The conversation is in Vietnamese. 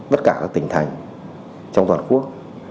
tất cả các tỉnh thành trong toàn quốc